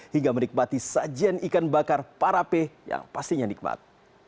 hingga menikmati sajian ikan bakar parape yang pastinya nikmat